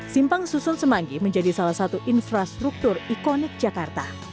simpang susun semanggi menjadi salah satu infrastruktur ikonik jakarta